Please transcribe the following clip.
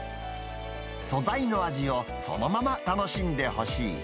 素材の味をそのまま楽しんでほしい。